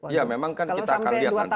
iya memang kan kita akan lihat nanti ya